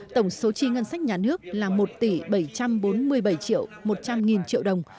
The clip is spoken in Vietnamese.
tổng số chi ngân sách nhà nước là một tỷ bảy trăm bốn mươi bảy triệu một trăm linh nghìn triệu đồng